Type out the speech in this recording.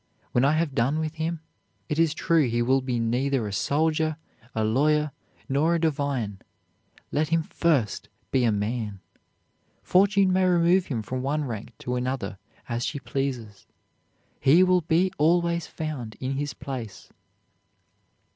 When I have done with him, it is true he will be neither a soldier, a lawyer, nor a divine. Let him first be a man; Fortune may remove him from one rank to another as she pleases, he will be always found in his place."